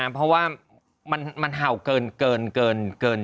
เพราะว่ามันเห่าเกิน